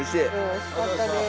美味しかったです。